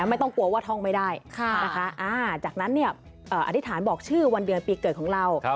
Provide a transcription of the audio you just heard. ไม่ต้องกลัวว่าท่องไม่ได้นะคะจากนั้นอธิษฐานบอกชื่อวันเดือนปีเกิดของเรา